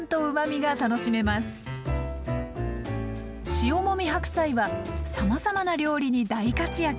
塩もみ白菜はさまざまな料理に大活躍！